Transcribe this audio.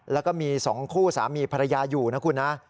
แล้วก็มี๒คู่สามีภรรยาอยู่นะคุณนะ